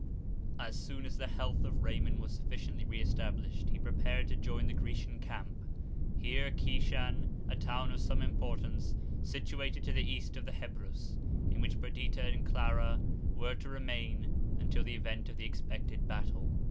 As soon as the health of Raymond was sufficiently re established, he prepared to join the Grecian camp, near Kishan, a town of some importance, situated to the east of the Hebrus; in which Perdita and Clara were to remain until the event of the expected battle.